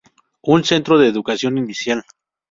Un centro de educación inicial.